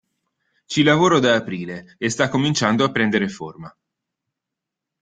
Ci lavoro da aprile e sta cominciando a prendere forma.